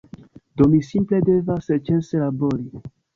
Do mi simple devas senĉese labori.